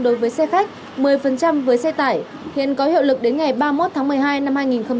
đối với xe khách một mươi với xe tải hiện có hiệu lực đến ngày ba mươi một tháng một mươi hai năm hai nghìn hai mươi